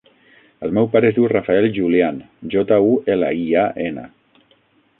El meu pare es diu Rafael Julian: jota, u, ela, i, a, ena.